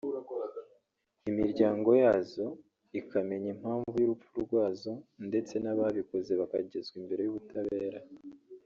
imiryango yazo ikamenya impamvu y’urupfu rwazo ndetse n’ababikoze bakagezwa imbere y’ubutabera